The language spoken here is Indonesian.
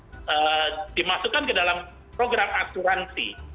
jadi jemaah juga dimaksudkan ke dalam program asuransi